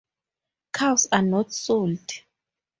Cows are not sold.